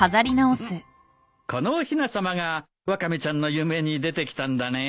このおひなさまがワカメちゃんの夢に出てきたんだね。